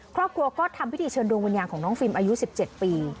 ครอบครัวก็ทำพิธีเชิญดวงวิญญาณของน้องฟิล์มอายุ๑๗ปี